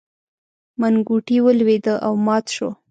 منګوټی ولوېد او مات شو.